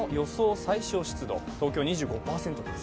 最小湿度、東京は２５％です。